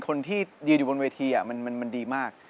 คนที่ยืนอยู่บนเวทีมันดีมาก